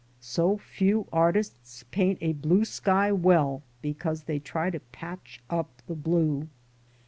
So few artists paint a blue sky well because they try to patch up the blue.